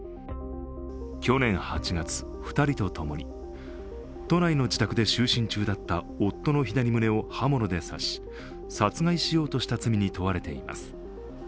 去年８月、２人とともに都内の自宅で就寝中だった夫の左胸を刃物で刺し殺害しようとした罪に問われています。